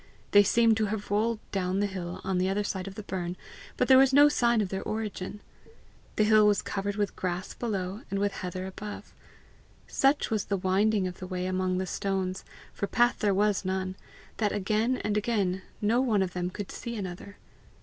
They seemed to have rolled down the hill on the other side of the burn, but there was no sign of their origin: the hill was covered with grass below, and with heather above. Such was the winding of the way among the stones for path there was none that again and again no one of them could see another.